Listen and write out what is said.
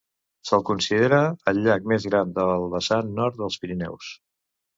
Se'l considera el llac més gran del vessant nord dels Pirineus.